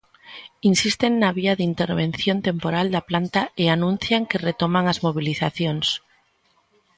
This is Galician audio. Insisten na vía da intervención temporal da planta e anuncian que retoman as mobilizacións.